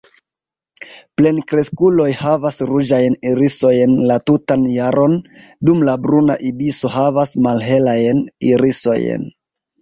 Plenkreskuloj havas ruĝajn irisojn la tutan jaron, dum la Bruna ibiso havas malhelajn irisojn.